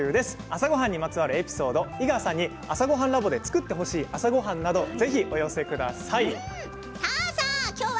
朝ごはんにまつわるエピソード井川さんに「朝ごはんＬａｂ．」で作ってほしい朝ごはんなどお寄せください。